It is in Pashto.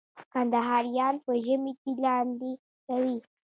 کندهاریان په ژمي کي لاندی کوي.